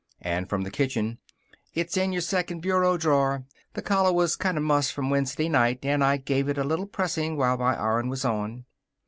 And from the kitchen: "It's in your second bureau drawer. The collar was kind of mussed from Wednesday night, and I give it a little pressing while my iron was on."